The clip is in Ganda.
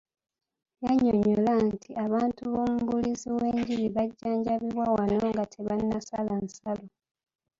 Yannyonnyola nti abantu b'omubuulizi w'enjiri bajjanjabibwa wano nga tebannasala nsalo.